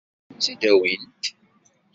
Ad sen-tt-id-awint?